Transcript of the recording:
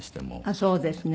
あっそうですね。